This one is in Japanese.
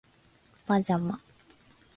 パジャマ